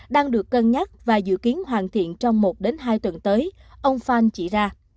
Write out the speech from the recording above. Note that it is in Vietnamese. đang được cân nhắc và dự kiến hoàn thiện trong một đến hai tuần tới ông farn chỉ ra